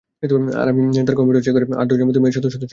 আর আমি তার computer check করে আধ-ডজনের মত মেয়ের শতশত ছবি পেয়েছি।